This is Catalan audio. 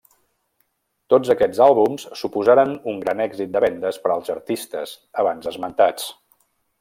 Tots aquests àlbums suposaren un gran èxit de vendes per als artistes abans esmentats.